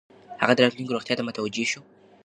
هغه د راتلونکې روغتیا ته متوجه شو.